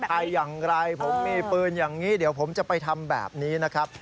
ใครอย่างไรผมมีปืนอย่างนี้เดี๋ยวผมจะไปทำแบบนี้นะครับ